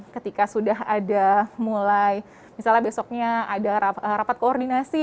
ketika sudah ada mulai misalnya besoknya ada rapat koordinasi